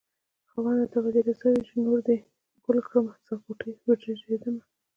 خاونده دا به دې رضا وي چې نور دې ګل کړل زه غوټۍ ورژېدمه